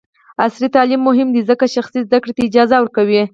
عصري تعلیم مهم دی ځکه چې شخصي زدکړې ته اجازه ورکوي.